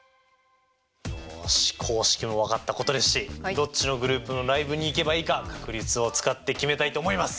よし公式も分かったことですしどっちのグループのライブに行けばいいか確率を使って決めたいと思います。